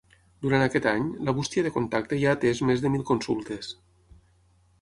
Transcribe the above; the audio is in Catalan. Durant aquest any, la bústia de contacte ja ha atès més de mil consultes.